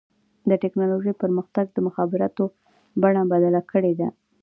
د ټکنالوجۍ پرمختګ د مخابراتو بڼه بدله کړې ده.